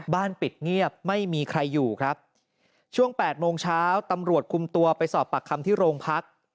บ้านปิดเงียบไม่มีใครอยู่ครับช่วง๘โมงเช้าตำรวจคุมตัวไปสอบปากคำที่โรงพัก